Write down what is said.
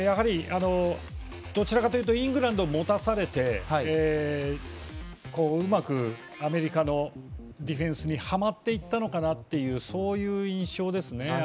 どちらかというとイングランドは持たされてうまくアメリカのディフェンスにはまっていったのかなという印象ですね。